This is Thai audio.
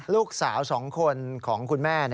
ลูกสาว๒คนของคุณแม่